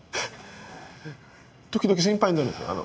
時々心配になるんですよ。